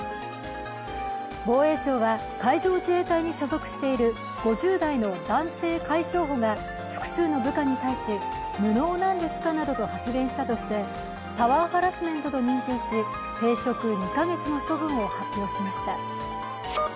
防衛省は、海上自衛隊に所属している５０代の男性海将補が複数の部下に対し無能なんですか？などと発言したとしてパワーハラスメントと認定し停職２か月の処分を発表しました。